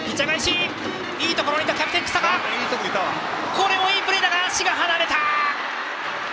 これもいいプレーだが足が離れた！